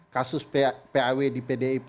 kasus paw di pdip